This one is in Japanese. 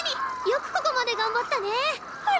よくここまで頑張ったねえ。